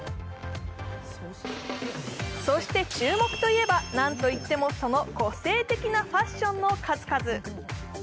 そして注目といえば何と言ってもその個性的なファッションの数々。